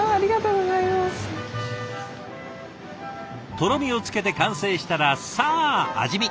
とろみをつけて完成したらさあ味見！